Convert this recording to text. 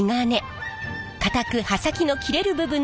硬く刃先の切れる部分となる鋼。